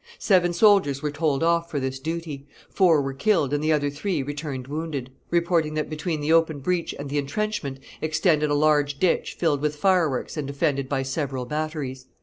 Seven soldiers were told off for this duty; four were killed and the other three returned wounded, reporting that between the open breach and the intrenchment extended a large ditch filled with fireworks and defended by several batteries.